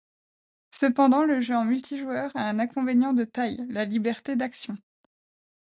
Cependant le jeu en multijoueur à un inconvénient de taille: la liberté d'action.